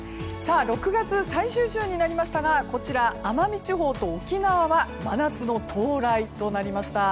６月最終週になりましたが奄美地方と沖縄は真夏の到来となりました。